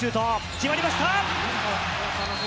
決まりました。